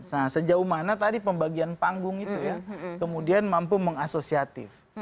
nah sejauh mana tadi pembagian panggung itu ya kemudian mampu mengasosiatif